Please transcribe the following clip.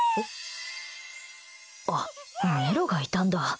あ、メロがいたんだ。